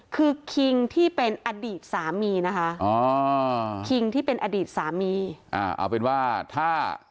คือคิงที่เป็นอดีตสามีนะคะอ๋อคิงที่เป็นอดีตสามีอ่าเอาเป็นว่าถ้า